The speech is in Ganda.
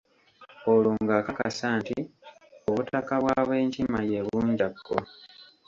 Olwo ng'akakasa nti: Obutaka bw'ab'Enkima ye Bunjakko.